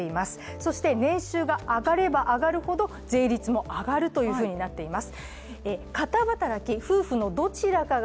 そして年収が上がれば上がるほど税率も上がるというふうになっています。